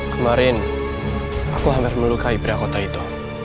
kemarin aku hampir melukai berat kota itu